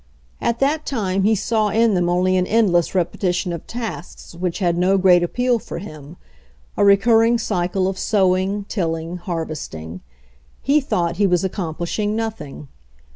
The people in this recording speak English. At that time he saw in them only an endless repetition of tasks which had no great appeal for him, a recurring cycle of sowing, tilling, harvest ing. He thought he was accomplishing nothing.